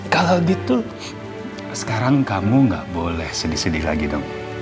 kalau gitu sekarang kamu gak boleh sedih sedih lagi dong